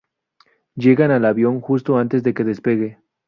Llegan al avión justo antes de que despegue.